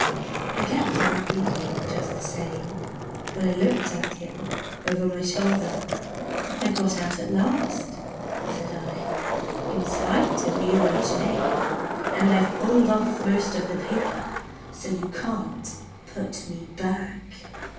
I kept on creeping just the same, but I looked at him over my shoulder. "I've got out at last," said I, "in spite of you and Jane! And I've pulled off most of the paper, so you can't put me back!"